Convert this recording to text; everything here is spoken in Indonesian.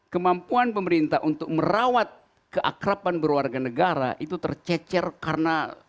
kemampuan pemerintah untuk merawat keakrapan berwarga negara itu tercecer karena